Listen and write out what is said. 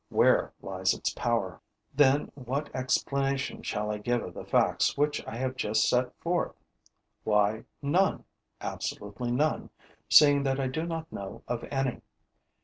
Where lies its power? Then what explanation shall I give of the facts which I have just set forth? Why, none, absolutely none, seeing that I do not know of any.